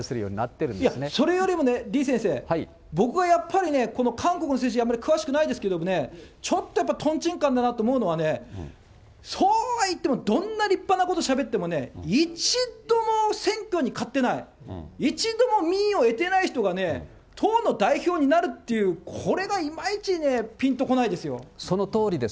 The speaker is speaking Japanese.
いや、それよりもね、李先生、僕はやっぱりね、韓国の政治にあんまり詳しくないですけれども、ちょっとやっぱりとんちんかんだなと思うのはね、そうはいってもどんな立派なことをしゃべってもね、一度も選挙に勝ってない、一度も民意を得てない人がね、党の代表になるっていう、これがいまいちね、ぴんとこそのとおりです。